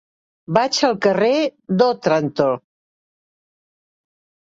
Vaig al carrer d'Òtranto.